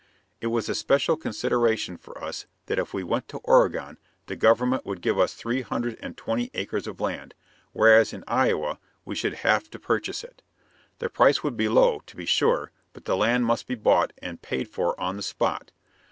It was a special consideration for us that if we went to Oregon the government would give us three hundred and twenty acres of land, whereas in Iowa we should have to purchase it. The price would be low, to be sure, but the land must be bought and paid for on the spot.